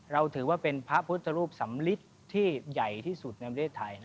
เราถือว่าเป็นพระพุทธรูปสำลิดที่ใหญ่ที่สุดในประเทศไทย